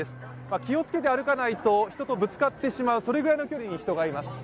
気をつけて歩かないと人とぶつかってしまう、それくらいの距離に人がいます。